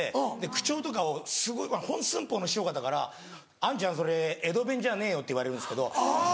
口調とかを本寸法の師匠方から「あんちゃんそれ江戸弁じゃねえよ」って言われるんですけど